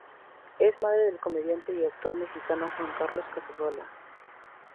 Es madre del comediante y actor mexicano Juan Carlos Casasola.